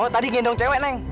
tadi ngendong cewek neng